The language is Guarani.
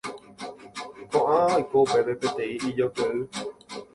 Koʼág̃a oiko upépe peteĩ ijoykeʼy.